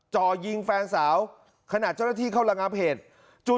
จ่อยิงแฟนสาวขณะเจ้าหน้าที่เข้าระงับเหตุจู่